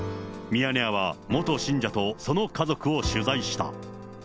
ミヤネ屋は、元信者とその家族を取材した。